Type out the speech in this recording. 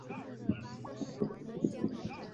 中国大陆许多知名艺人曾在此校就读。